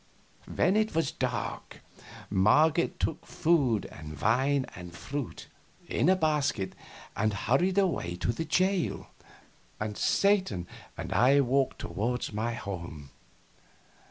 When it was dark Marget took food and wine and fruit, in a basket, and hurried away to the jail, and Satan and I walked toward my home.